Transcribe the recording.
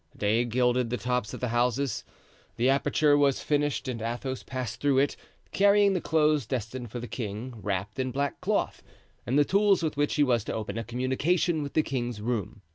Day gilded the tops of the houses. The aperture was finished and Athos passed through it, carrying the clothes destined for the king wrapped in black cloth, and the tools with which he was to open a communication with the king's room.